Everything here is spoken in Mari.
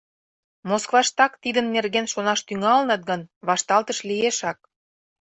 Москваштак тидын нерген шонаш тӱҥалыныт гын, вашталтыш лиешак.